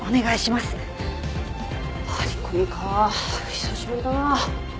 久しぶりだなぁ。